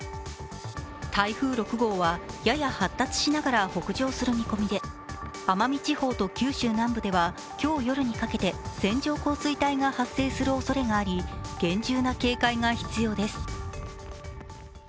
台風６号はやや発達しながら北上する見込みで奄美地方と九州南部では今日夜にかけて線状降水帯が発生するおそれがあり厳重な警戒が必要です。